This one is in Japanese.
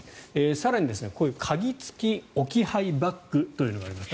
更に、こういう鍵付き置き配バッグというのがあります。